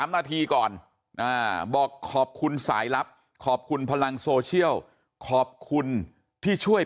นาทีก่อนบอกขอบคุณสายลับขอบคุณพลังโซเชียลขอบคุณที่ช่วย